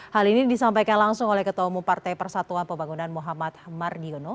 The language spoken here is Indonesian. hal ini disampaikan langsung oleh ketua umum partai persatuan pembangunan muhammad mardiono